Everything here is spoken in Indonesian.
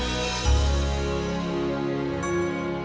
terima kasih pak